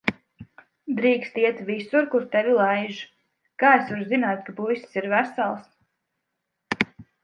Drīkst iet visur, kur tevi laiž. Kā es varu zināt, ka puisis ir vesels?